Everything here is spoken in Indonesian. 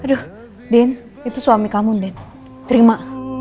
aduh din itu suami kamu din terima